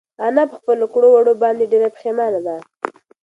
انا په خپلو کړو وړو باندې ډېره پښېمانه ده.